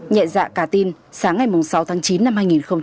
nhẹ dạ cả tin sáng ngày sáu tháng chín năm hai nghìn một mươi sáu